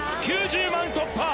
９０万突破